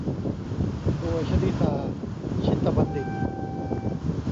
โดย ชนิดา ชิตบัณฑิตย์